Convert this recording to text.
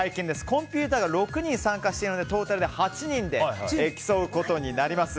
コンピューターが６人参加しているのでトータルで８人で競うことになります。